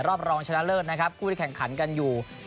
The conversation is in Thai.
รองชนะเลิศนะครับคู่ที่แข่งขันกันอยู่